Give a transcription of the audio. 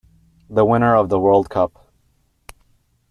The winner of the world cup.